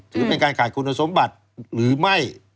ถือเป็นการขาดคุณสมบัติหรือไม่